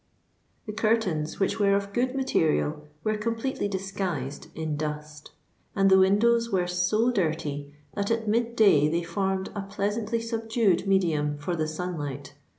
The curtains, which were of good material, were completely disguised in dust; and the windows were so dirty that at mid day they formed a pleasantly subdued medium for the sun light.